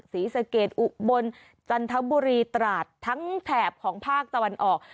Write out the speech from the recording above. ศรีสะเกดอุบลจันทบุรีตราดทั้งแถบของภาคตะวันออก